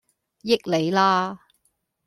益你啦